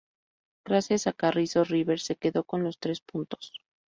Gracias a Carrizo, River se quedó con los tres puntos.